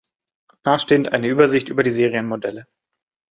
Nachstehend eine Übersicht über die Serienmodelle.